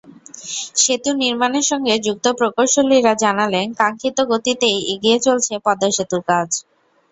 সেতু নির্মাণের সঙ্গে যুক্ত প্রকৌশলীরা জানালেন, কাঙ্ক্ষিত গতিতেই এগিয়ে চলছে পদ্মা সেতুর কাজ।